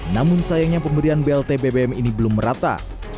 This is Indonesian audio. namun sayangnya pemberian blt bbm ini belum merata